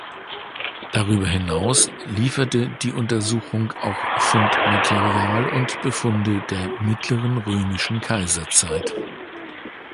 Darüber hinaus lieferte die Untersuchung auch Fundmaterial und Befunde der mittleren römischen Kaiserzeit.